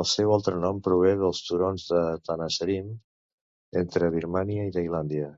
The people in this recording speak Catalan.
El seu altre nom prové dels turons de Tenasserim, entre Birmània i Tailàndia.